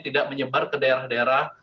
tidak menyebar ke daerah daerah